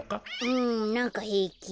うんなんかへいき。